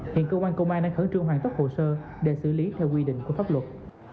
hiện công an công an đang khởi trương hoàn tất hồ sơ để xử lý theo quy định của pháp luật